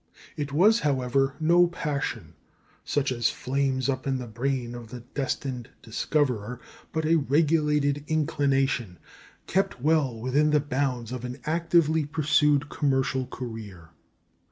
It was, however, no passion such as flames up in the brain of the destined discoverer, but a regulated inclination, kept well within the bounds of an actively pursued commercial career.